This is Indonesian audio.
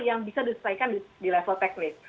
yang bisa diselesaikan di level teknis